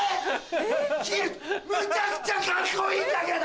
むちゃくちゃカッコいいんだけど！